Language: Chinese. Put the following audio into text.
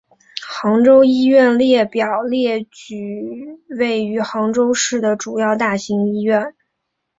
杭州医院列表列举位于杭州市的主要大型医院。